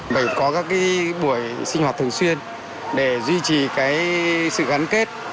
phải có các buổi sinh hoạt thường xuyên để duy trì sự gắn kết